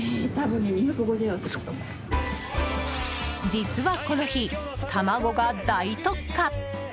実はこの日、卵が大特価。